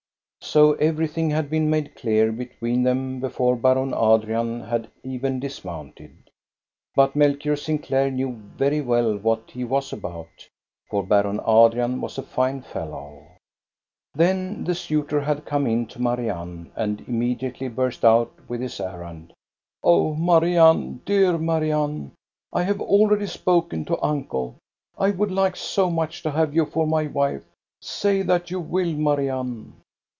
So everything had been made clear between them before Baron Adrian had even dismounted. But Melchior Sinclair knew very well what he was about, for Baron Adrian was a fine fellow. Then the suitor had come in to Marianne and im mediately burst out with his errand. " Oh, Marianne, dear Marianne. I have already spoken to uncle. I would like so much to have you for my wife. Say that you will, Marianne.